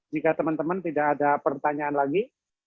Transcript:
jika teman teman tidak ada pertanyaan lagi